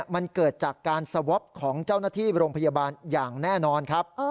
มันเกิดจากการสวอปของเจ้าหน้าที่โรงพยาบาลอย่างแน่นอนครับ